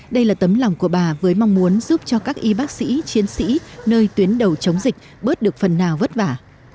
đây là tấm lòng của bà với mong muốn giúp cho các y bác sĩ chiến sĩ nơi tuyến đầu chống dịch bớt được phần nào vất vả